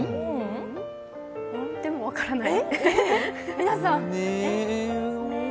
でも分からない。